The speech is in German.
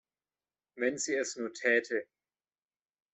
Wenn sie es nur täte!